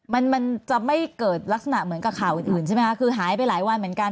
มันมันจะไม่เกิดลักษณะเหมือนกับข่าวอื่นอื่นใช่ไหมคะคือหายไปหลายวันเหมือนกัน